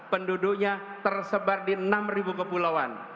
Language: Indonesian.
penduduknya tersebar di enam ribu kepulauan